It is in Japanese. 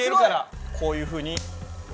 こういうふうに。